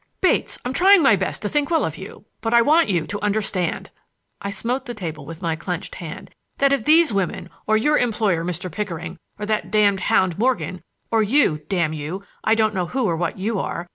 "Bates, I'm trying my best to think well of you; but I want you to understand"—I smote the table with my clenched hand—"that if these women, or your employer, Mr. Pickering, or that damned hound, Morgan, or you— damn you, I don't know who or what you are!